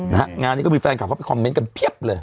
งานนี้ก็มีแฟนคลับเข้าไปคอมเมนต์กันเพียบเลย